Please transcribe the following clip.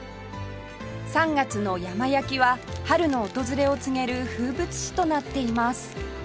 ３月の山焼きは春の訪れを告げる風物詩となっています